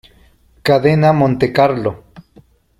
Cadena Montecarlo.